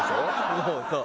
そうそう。